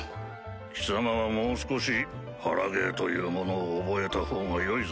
貴様はもう少し腹芸というものを覚えたほうがよいぞ。